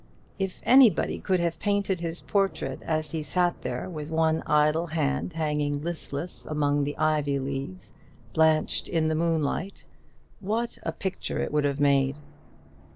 If anybody could have painted his portrait as he sat there, with one idle hand hanging listless among the ivy leaves, blanched in the moonlight, what a picture it would have made!